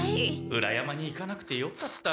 裏山に行かなくてよかった。